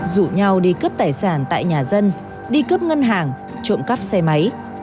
rủ nhau đi cướp tài sản tại nhà dân đi cướp ngân hàng trộm cắp xe máy